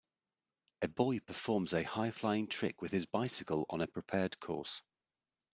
A boy performs a highflying trick with his bicycle on a prepared course.